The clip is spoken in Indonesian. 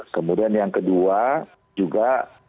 kemudian yang kedua juga